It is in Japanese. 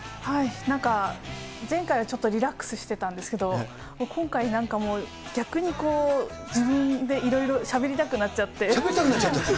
なんか、前回はちょっとリラックスしてたんですけど、今回、なんかもう、逆に、自分でいろいろ、しゃべりたくなっちゃしゃべりたくなっちゃって？